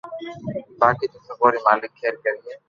باقي تو سبو ري مالڪ کير ڪري